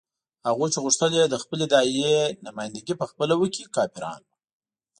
هغوی چې غوښتل یې د خپلې داعیې نمايندګي په خپله وکړي کافران وو.